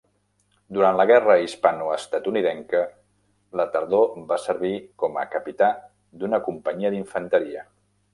Durant la Guerra Hispano-estatunidenca, la tardor va servir com a capità d'una companyia d'infanteria.